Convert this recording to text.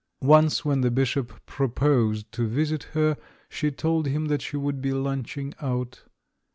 Once, when the Bishop pro posed to visit her, she told him that she would be lunching out.